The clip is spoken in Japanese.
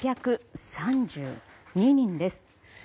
９６３２人です。